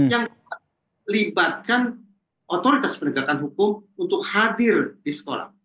yang melibatkan otoritas penegakan hukum untuk hadir di sekolah